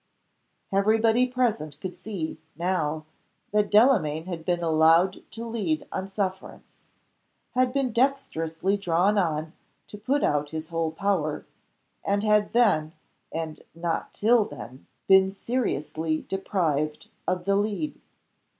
Every body present could see, now, that Delamayn had been allowed to lead on sufferance had been dextrously drawn on to put out his whole power and had then, and not till then, been seriously deprived of the lead.